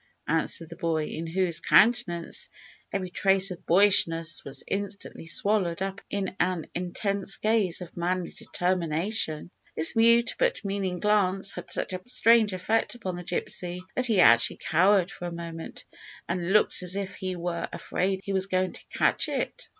answered the boy, in whose countenance every trace of boyishness was instantly swallowed up in an intense gaze of manly determination. This mute but meaning glance had such a strange effect upon the gypsy that he actually cowered for a moment, and looked as if he were afraid he was going to "catch it."